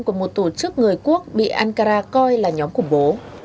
của một tổ chức người quốc bị ankara coi là nhóm khủng bố